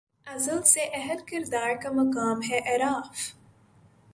ازل سے اہل خرد کا مقام ہے اعراف